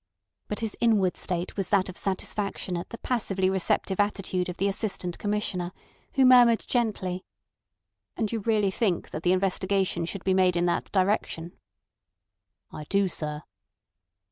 But his inward state was that of satisfaction at the passively receptive attitude of the Assistant Commissioner, who murmured gently: "And you really think that the investigation should be made in that direction?" "I do, sir."